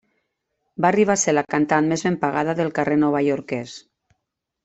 Va arribar a ser la cantant més ben pagada del carrer novaiorquès.